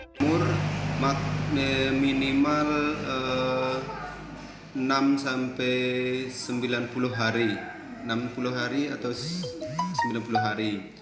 umur minimal enam sampai sembilan puluh hari